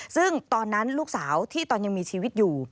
ซึ่งตอนนั้นลูกสาวที่ตอนยังมีชีวิตอยู่